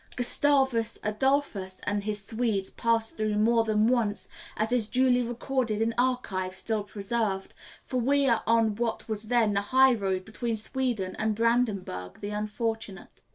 Gustavus Adolphus and his Swedes passed through more than once, as is duly recorded in archives still preserved, for we are on what was then the high road between Sweden and Brandenburg the unfortunate.